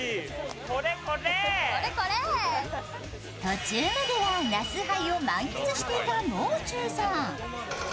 途中までは那須ハイを満喫していた、もう中さん。